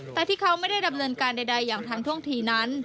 แต่ที่เขาไม่ได้ดำเนินการใดอย่างทันท่วงทีนั้น